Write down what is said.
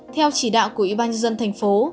theo chỉ đạo của ủy ban dân dân tp